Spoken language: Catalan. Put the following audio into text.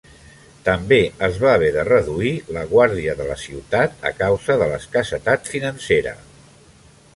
També es va haver de reduir la guàrdia de la ciutat a causa de l'escassetat financera.